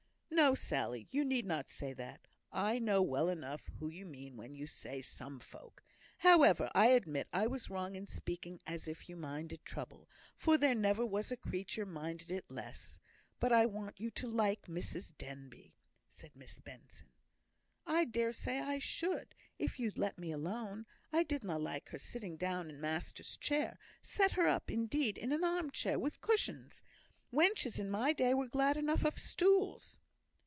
"No, Sally, you need not say that. I know well enough who you mean when you say 'some folk.' However, I admit I was wrong in speaking as if you minded trouble, for there never was a creature minded it less. But I want you to like Mrs Denbigh," said Miss Benson. "I dare say I should, if you'd let me alone. I did na like her sitting down in master's chair. Set her up, indeed, in an arm chair wi' cushions! Wenches in my day were glad enough of stools."